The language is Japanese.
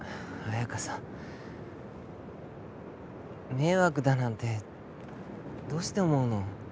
迷惑だなんてどうして思うの？